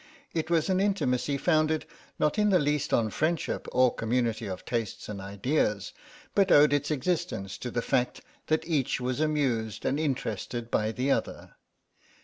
It was an intimacy founded not in the least on friendship or community of tastes and ideas, but owed its existence to the fact that each was amused and interested by the other.